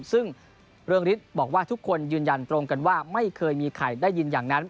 ซึ่งเรืองฤทธิ์บอกว่าทุกคนยืนยันตรงกันว่าไม่เคยมีใครได้ยินอย่างนั้น